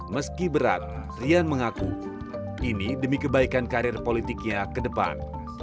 meski berat rian mengaku ini demi kebaikan karir politiknya ke depan